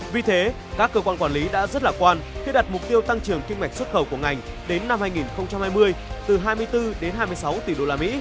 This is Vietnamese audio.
vì thế các cơ quan quản lý đã rất lạc quan khi đặt mục tiêu tăng trưởng kinh mạch xuất khẩu của ngành đến năm hai nghìn hai mươi từ hai mươi bốn đến hai mươi sáu tỷ usd